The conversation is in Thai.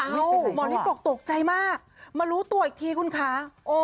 เป็นไหนตัวอ้าวหมอนิปบอกตกใจมากมารู้ตัวอีกทีคุณคะ